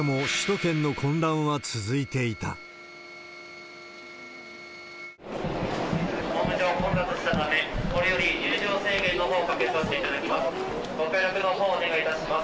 ホーム上、混雑したため、これより入場制限のほうかけさせていただきます。